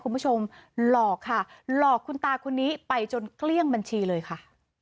หลอกค่ะหลอกคุณตาคนนี้ไปจนเกลี้ยงบัญชีเลยค่ะ